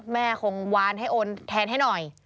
แม่คงวานให้โอนแทนให้หน่อย